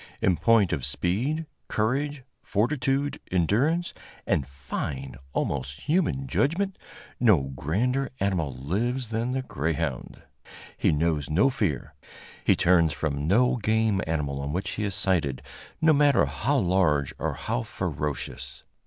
In point of speed, courage, fortitude, endurance and fine, almost human judgment, no grander animal lives than the greyhound. He knows no fear; he turns from no game animal on which he is sighted, no matter how large or how ferocious.